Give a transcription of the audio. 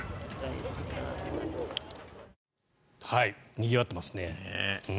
にぎわってますね。